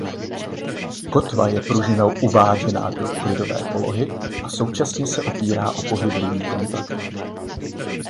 Kotva je pružinou uváděna do klidové polohy a současně se opírá o pohyblivý kontakt.